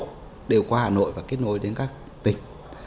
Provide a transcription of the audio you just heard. thành phố hà nội đã kết nối đến các tỉnh